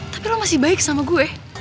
tapi lo masih baik sama gue